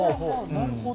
なるほど。